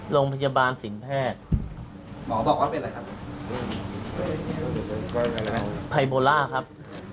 ตอนที่ว่าส่งไปเยี่ยมไหมครับ